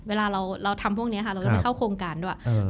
เวลาเราทำพวกนี้ค่ะเราจะไม่เข้าโครงการด้วย